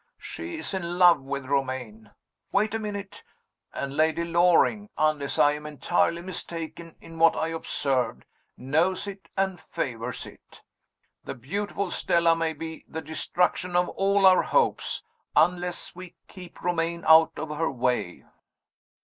She is in love with Romayne. Wait a minute! And Lady Loring unless I am entirely mistaken in what I observed knows it and favors it. The beautiful Stella may be the destruction of all our hopes, unless we keep Romayne out of her way."